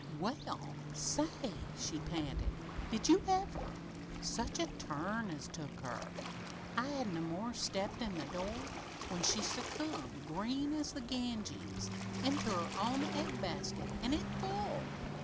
"Well, say!" she panted. "Did you ever! Such a turn as took her! I hadn't no more 'n stepped in the door when she succumbed, green as the Ganges, into her own egg basket an' it full!